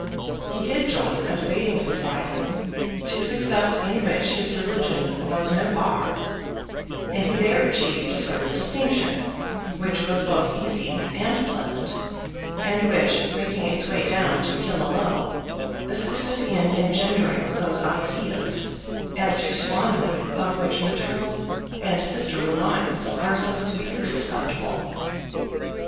He did join a debating society, to success in which his religion was no bar; and he there achieved a sort of distinction which was both easy and pleasant, and which, making its way down to Killaloe, assisted in engendering those ideas as to swanhood of which maternal and sisterly minds are so sweetly susceptible.